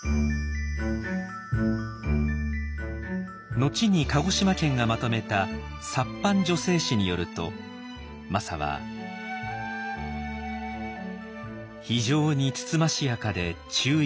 後に鹿児島県がまとめた「藩女性史」によるとマサは「非常につつましやかで注意